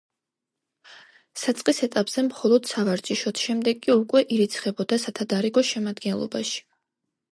საწყის ეტაპზე მხოლოდ სავარჯიშოდ, შემდეგ კი უკვე ირიცხებოდა სათადარიგო შემადგენლობაში.